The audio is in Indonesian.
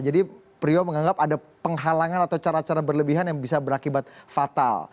jadi priyo menganggap ada penghalangan atau cara cara berlebihan yang bisa berakibat fatal